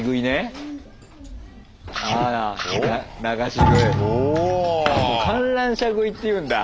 これ「観覧車食い」っていうんだ。